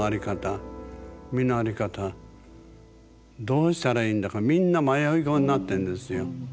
どうしたらいいんだかみんな迷い子になってんですよ。